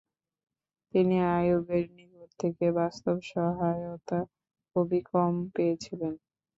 তিনি আইয়ুবের নিকট থেকে বাস্তব সহায়তা খুবই কম পেয়েছিলেন।